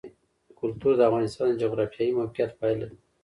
کلتور د افغانستان د جغرافیایي موقیعت پایله ده.